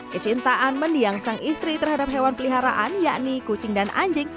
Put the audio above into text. kecintaan mendiang sang istri terhadap hewan peliharaan yakni kucing dan anjing